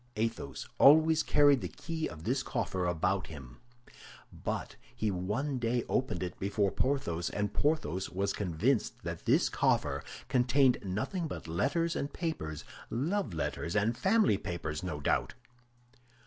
Athos always carried the key of this coffer about him; but he one day opened it before Porthos, and Porthos was convinced that this coffer contained nothing but letters and papers—love letters and family papers, no doubt.